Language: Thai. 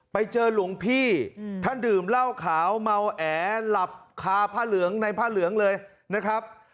ไปเจอหลวงพี่ท่านดื่มเหล้าขาวเมาแอหลับคาผ้าเหลืองในผ้าเหลืองเลยนะครับ